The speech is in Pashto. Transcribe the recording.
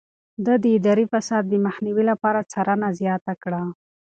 ده د اداري فساد د مخنيوي لپاره څارنه زياته کړه.